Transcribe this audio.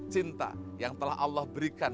cinta yang telah allah berikan